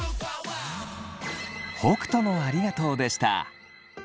北斗のありがとうでした。